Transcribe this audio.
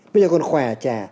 bây giờ còn khỏe trẻ